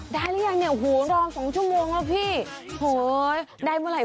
หรือยังเนี่ยโอ้โหรอสองชั่วโมงแล้วพี่โหได้เมื่อไหร่